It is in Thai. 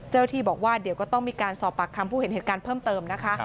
ที่บอกว่าเดี๋ยวก็ต้องมีการสอบปากคำผู้เห็นเหตุการณ์เพิ่มเติมนะคะ